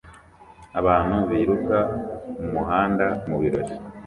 Abantu biruka mumuhanda mubirori